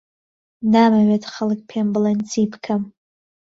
نامەوێت خەڵک پێم بڵێن چی بکەم.